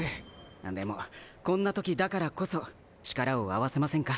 でもこんな時だからこそ力を合わせませんか？